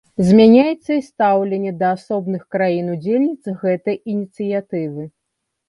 Змяняецца і стаўленне да асобных краін-удзельніц гэтай ініцыятывы.